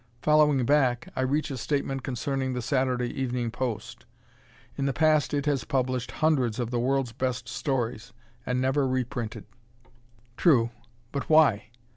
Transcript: Following back, I reach a statement concerning "The Saturday Evening Post." In the past it has published hundreds of the world's best stories, and never reprinted. True. But why?